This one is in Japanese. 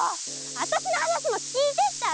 あたしの話も聞いてったら！